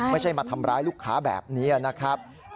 ไม่ใช่มาทำร้ายลูกค้าแบบนี้นะครับ